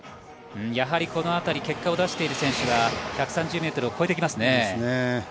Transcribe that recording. やはりこのあたり結果を出している選手が１３０ｍを越えてきますね。